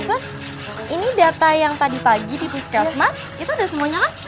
sos ini data yang tadi pagi di puskesmas itu udah semuanya kan